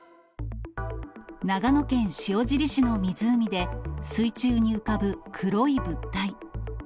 長野県塩尻市の湖で、水中に浮かぶ黒い物体。